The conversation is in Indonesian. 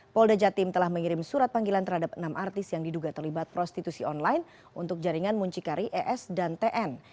polda jatim telah mengirim surat panggilan terhadap enam artis yang diduga terlibat prostitusi online untuk jaringan muncikari es dan tn